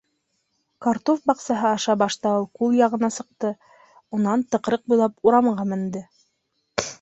Картуф баҡсаһы аша башта ул күл яғына сыҡты, унан тыҡрыҡ буйлап урамға менде.